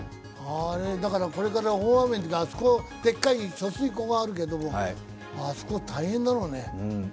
これから大雨のときはあそこ、でっかい貯水湖があるけどあそこ大変だろうね。